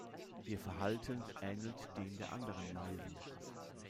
Ihr Verhalten ähnelt dem der anderen Meisen.